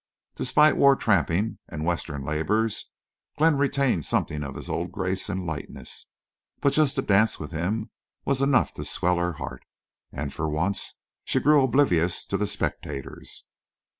Despite war tramping and Western labors Glenn retained something of his old grace and lightness. But just to dance with him was enough to swell her heart, and for once she grew oblivious to the spectators.